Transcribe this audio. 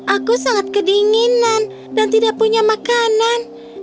aku sangat kedinginan dan tidak punya makanan